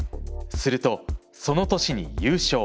すると、その年に優勝。